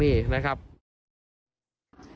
นี่แหละฝากสองเรื่อง